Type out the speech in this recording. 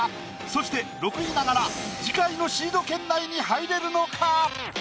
そして６位ながら次回のシード圏内に入れるのか？